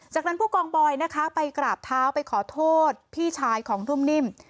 จากนั้นผู้กองบอยนะคะไปกราบเท้าไปขอโทษพี่ชายของทุ่มนิ่ม